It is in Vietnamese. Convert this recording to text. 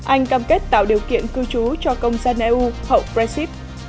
anh cam kết tạo điều kiện cư trí